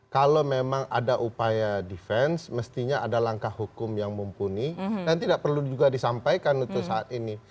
kalau memang ada upaya defense mestinya ada langkah hukum yang mumpuni dan tidak perlu juga disampaikan untuk saat ini